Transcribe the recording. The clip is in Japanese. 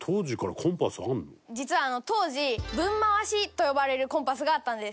実は当時「ぶんまわし」と呼ばれるコンパスがあったんです。